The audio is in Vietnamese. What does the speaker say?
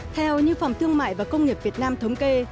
theo như phòng thương mại và công nghiệp việt nam thống kê